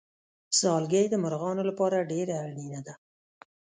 ځالګۍ د مرغانو لپاره ډېره اړینه ده.